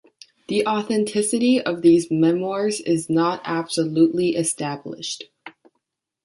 The authenticity of these memoirs is not absolutely established.